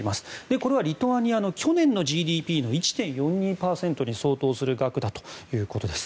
これはリトアニアの去年のＧＤＰの１．４２％に相当する額だということです。